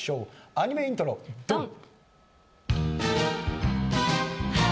アニメイントロドン！